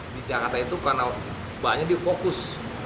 di jakarta itu karena banyak dia fokus